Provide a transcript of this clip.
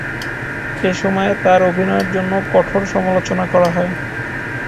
এই সময়ে, তার অভিনয়ের জন্য কঠোর সমালোচনা করা হয়।